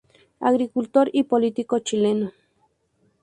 Agricultor y político chileno.